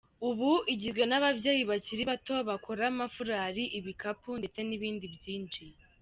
Ubu igizwe n’ababyeyi bakiri bato bakora amafurali, ibikapu ndetse n’ibindi byinshi.